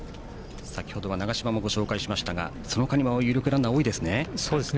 先程は長嶋もご紹介しましたがそのほかにも有力ランナーが多いですね。